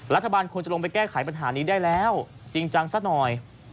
ควรจะลงไปแก้ไขปัญหานี้ได้แล้วจริงจังซะหน่อย